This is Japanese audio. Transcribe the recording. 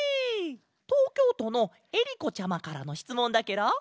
とうきょうとのえりこちゃまからのしつもんだケロ！